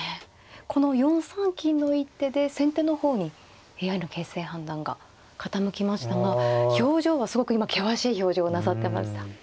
この４三金の一手で先手の方にＡＩの形勢判断が傾きましたが表情はすごく今険しい表情をなさってました。